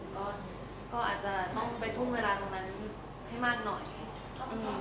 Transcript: ต้องไปทุ่มเวลาตรงนั้น